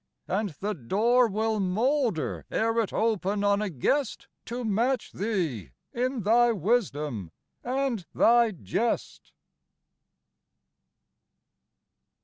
and the door Will moulder ere it open on a guest To match thee in thy wisdom and thy jest.